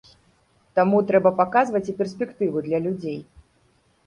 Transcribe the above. Таму трэба паказваць і перспектыву для людзей.